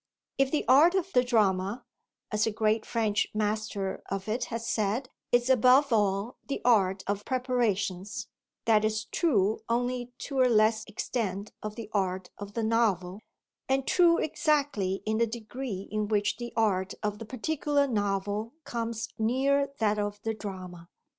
If the art of the drama, as a great French master of it has said, is above all the art of preparations, that is true only to a less extent of the art of the novel, and true exactly in the degree in which the art of the particular novel comes near that of the drama.